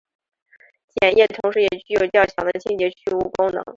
碱液同时也具有较强的清洁去污功能。